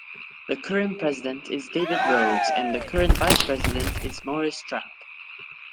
The current President is David Rhodes and the current Vice President is Maurice Trapp.